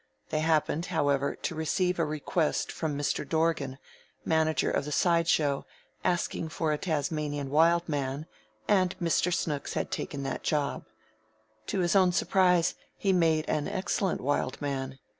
They happened, however, to receive a request from Mr. Dorgan, manager of the side show, asking for a Tasmanian Wild Man, and Mr. Snooks had taken that job. To his own surprise, he made an excellent Wild Man.